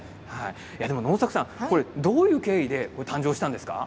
能作さん、どういう経緯で誕生したんですか？